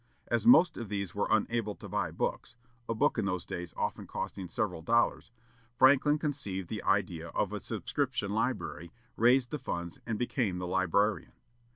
As most of these were unable to buy books a book in those days often costing several dollars Franklin conceived the idea of a subscription library, raised the funds, and became the librarian.